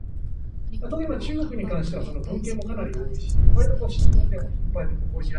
『ありがとう』、『頑張ったね』、『大好き』を大切にして生きていく